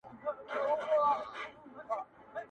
اوس د رقیبانو پېغورونو ته به څه وایو٫